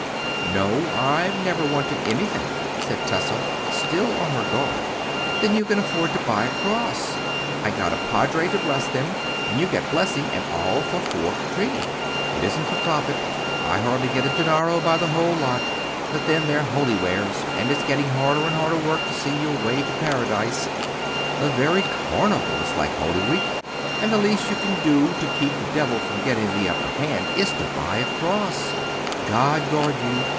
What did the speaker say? "No, I've never wanted anything," said Tessa, still on her guard. "Then you can afford to buy a cross. I got a Padre to bless them, and you get blessing and all for four quattrini. It isn't for the profit; I hardly get a danaro by the whole lot. But then they're holy wares, and it's getting harder and harder work to see your way to Paradise: the very Carnival is like Holy Week, and the least you can do to keep the Devil from getting the upper hand is to buy a cross. God guard you!